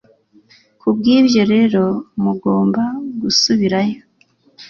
Ku bw ibyo rero mugomba gusubirayo